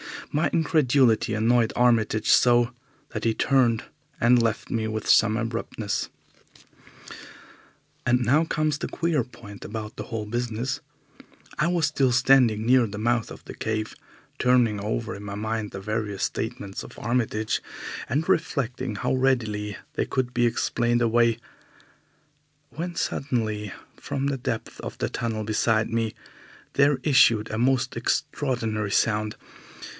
My incredulity annoyed Armitage so that he turned and left me with some abruptness. And now comes the queer point about the whole business. I was still standing near the mouth of the cave turning over in my mind the various statements of Armitage, and reflecting how readily they could be explained away, when suddenly, from the depth of the tunnel beside me, there issued a most extraordinary sound.